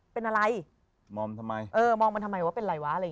เป็นอะไรมองมันทำไมว่าเป็นอะไรวะ